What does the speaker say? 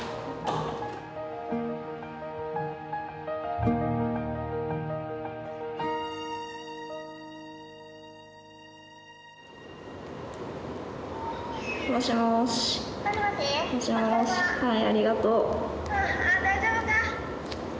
はいありがとう。